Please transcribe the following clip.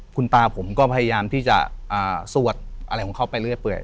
คุณตาผมก็พยายามที่จะสวดอะไรของเขาไปเรื่อย